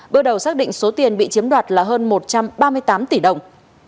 bước đầu xác định số tiền bị chiếm đoạt là hơn một trăm ba mươi tám tỷ đồng